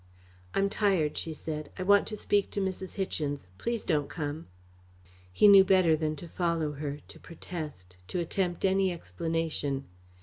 "I'm tired," she said. "I want to speak to Mrs. Hichens. Please don't come." He knew better than to follow her, to protest, to attempt any explanation.